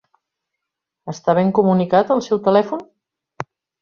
Està ben comunicat el seu telèfon?